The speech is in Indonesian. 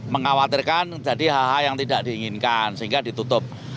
mengkhawatirkan jadi hal hal yang tidak diinginkan sehingga ditutup